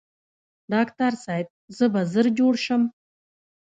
ډاکټر صاحب زه به ژر جوړ شم؟